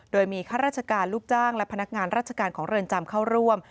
โดยมีข้าราชการลูกจ้างและพนักงานราชการของเรือนจำเข้าร่วม